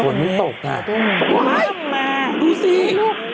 ฝนมันตกน่ะดูสิเนี่ย